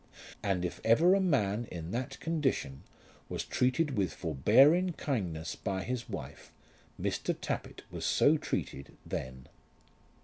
And if ever a man in that condition was treated with forbearing kindness by his wife, Mr. Tappitt was so treated then.